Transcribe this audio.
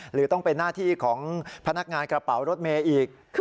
หรือต้องเป็นหน้าที่ของพนักงานกระเป๋ารถเมย์อีก